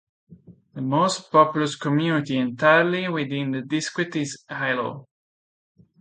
The most populous community entirely within the district is Hilo.